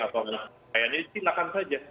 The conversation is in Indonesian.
atau lainnya silakan saja